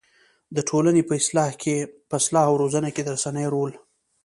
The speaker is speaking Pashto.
د ټولنې په اصلاح او روزنه کې د رسنيو رول